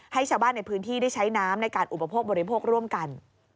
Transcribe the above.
ให้ชาวบ้านในพื้นที่ได้ใช้น้ำในการอุปโภคบริโภคร่วมกัน